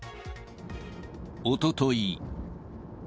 おととい。